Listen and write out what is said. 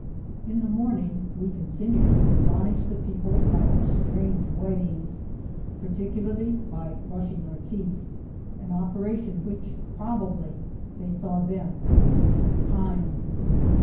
In the morning we continued to astonish the people fejr our strange ways, particularly by brushing our teeth, an operation which, probably, they saw then for the first time.